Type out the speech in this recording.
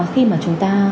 khi mà chúng ta